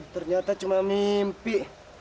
ternyata cuma mimpi